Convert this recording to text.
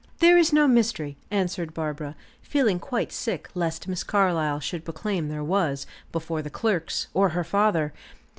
"There is no mystery," answered Barbara, feeling quite sick lest Miss Carlyle should proclaim there was, before the clerks, or her father.